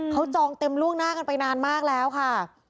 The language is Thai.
เขาจองเต็มล่วงหน้ากันไปนานมากแล้วค่ะ